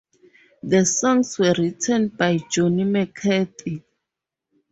The songs were written by John McCarthy.